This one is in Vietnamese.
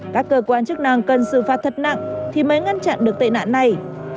các cơ quan chức năng cần xử phạt thật nặng thì mới ngăn chặn được tệ nạn này